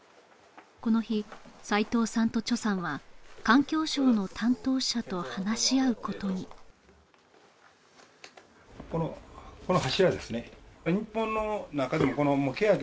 この日齊藤さんとさんは環境省の担当者と話し合うことにこのこの柱ですね